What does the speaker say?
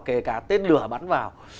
kể cả tên lửa bắn vào